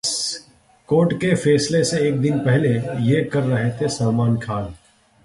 court के फैसले से एक दिन पहले ये कर रहे थे सलमान खान